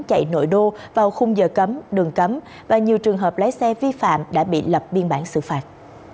chạy nội đô vào khung giờ cấm đường cấm và nhiều trường hợp lái xe vi phạm đã bị lập biên bản xử phạt